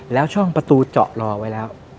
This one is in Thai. แล้วช่องประตูเจาะรอไว้แล้ว